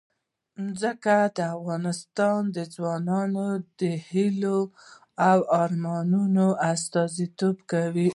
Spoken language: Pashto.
ځمکه د افغان ځوانانو د هیلو او ارمانونو استازیتوب کوي.